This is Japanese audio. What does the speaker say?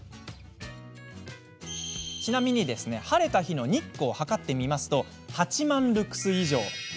ちなみに晴れた日の日光を測ってみると８万ルクス以上。